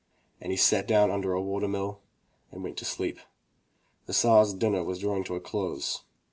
And he sat down under a water mill and went to sleep. The Tsar*s dinner was drawing to a close.